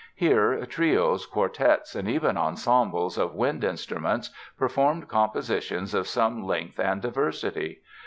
Here trios, quartets and even ensembles of wind instruments performed compositions of some length and diversity.